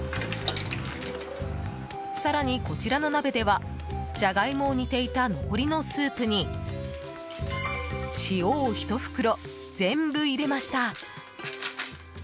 更に、こちらの鍋ではジャガイモを煮ていた残りのスープに塩を１袋、全部入れました。